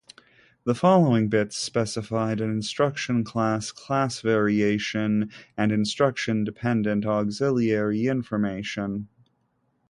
The following bits specified an instruction class, class variation and instruction-dependent auxiliary information.